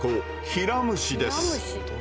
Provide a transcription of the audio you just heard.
ヒラムシです。